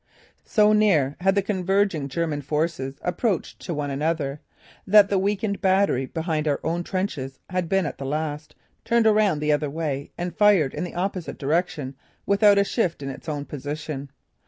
So near had the converging German forces approached to one another that the weakened battery behind our own trenches had been at the last, turned around the other way and fired in the opposite direction without a shift in its own position.